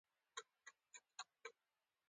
خواخوږی څرګندولو په منظور.